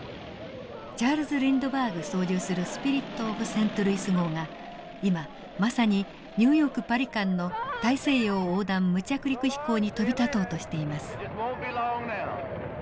チャールズ・リンドバーグ操縦するスピリット・オブ・セントルイス号が今まさにニューヨークパリ間の大西洋横断無着陸飛行に飛び立とうとしています。